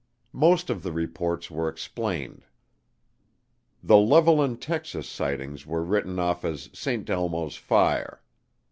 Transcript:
Most of the reports were explained. The Levelland, Texas, sightings were written off as "St. Elmo's Fire."